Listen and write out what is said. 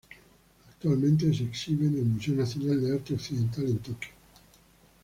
Actualmente se exhibe en el Museo Nacional de Arte Occidental, en Tokio.